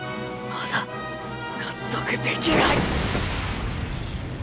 まだ納得できない。